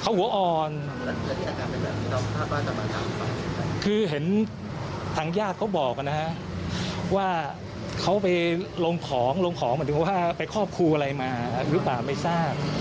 เขาหัวอ่อนคือเห็นทางญาติเขาบอกนะฮะว่าเขาไปลงของลงของหมายถึงว่าไปครอบครูอะไรมาหรือเปล่าไม่ทราบ